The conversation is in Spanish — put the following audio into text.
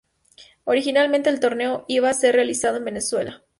Originalmente el torneo iba a ser realizado en Venezuela.